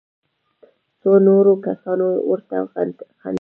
څو نورو کسانو ورته خندل.